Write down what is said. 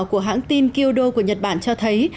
của hãng tin kyodo của nhật bản cho thấy